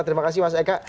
terima kasih mas eka